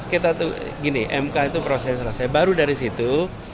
kita tuh gini mk itu prosesnya selesai baru dari situ